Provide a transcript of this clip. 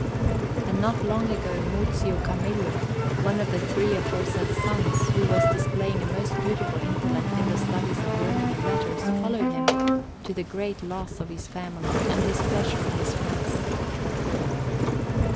And not long ago Muzio Camillo, one of the three aforesaid sons, who was displaying a most beautiful intellect in the studies of learning and letters, followed him, to the great loss of his family and displeasure of his friends.